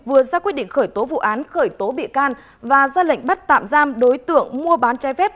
vừa ra quyết định khởi tố vụ án khởi tố bị can và ra lệnh bắt tạm giam đối tượng mua bán trái phép